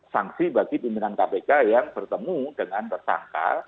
sanksi bagi pimpinan kpk yang bertemu dengan tersangka